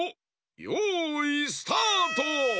よいスタート！